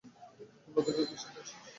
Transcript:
তোমরা দুজন আমার সাথে আসো।